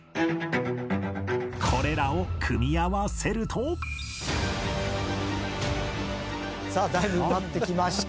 これらを組み合わせるとさあだいぶ埋まってきました。